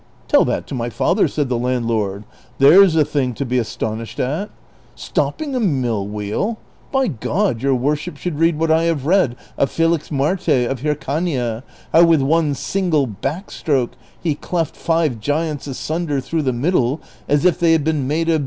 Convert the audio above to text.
" Tell that to my father," said the landlord. " There 's a thing to be astonished at ! Stopping a mill wheel ! By God your worship should read what I have read of Felixmarte of Hircania, how with one single backstroke he cleft five giants asunder through the middle as if they had been made of bean ' i.